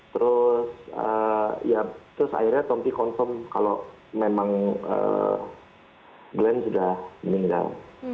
terus akhirnya tompi konsum kalau memang glenn sudah meninggal